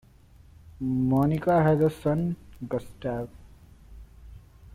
Monika has a son, Gustav.